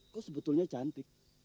kau sebetulnya cantik